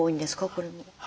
これも。